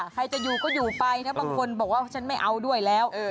ใครจะอยู่ก็อยู่ไปนะบางคนบอกว่าฉันไม่เอาด้วยแล้ว